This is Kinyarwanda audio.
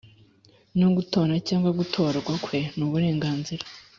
No gutora cyangwa gutorwa kwe n uburenganzira